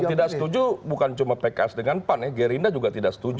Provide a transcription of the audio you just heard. yang tidak setuju bukan cuma pks dengan pan ya gerinda juga tidak setuju